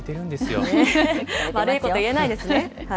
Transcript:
悪いこと言えないですね。